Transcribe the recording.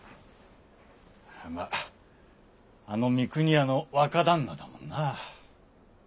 まああの三国屋の若旦那だもんな。